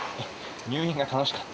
入院が楽しかった？